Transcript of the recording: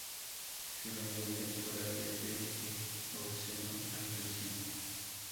Su rango temporal es del Eoceno al Reciente.